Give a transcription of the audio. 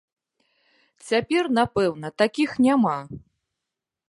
Цяпер, напэўна, такіх няма.